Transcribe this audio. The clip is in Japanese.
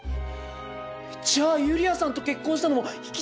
じゃあユリアさんと結婚したのも生き血を飲むため！？